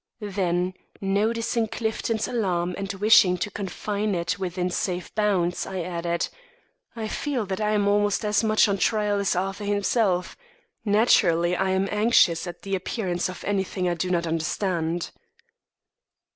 Then, noticing Clifton's alarm and wishing to confine it within safe bounds, I added: "I feel that I am almost as much on trial as Arthur himself. Naturally I am anxious at the appearance of anything I do not understand."